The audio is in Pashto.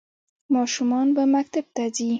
ماشومان به مکتب ته ځي؟